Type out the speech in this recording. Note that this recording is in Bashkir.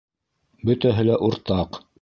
- Бөтәһе лә уртаҡ.